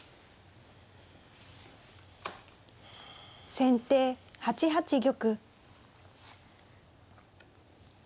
先手８八玉。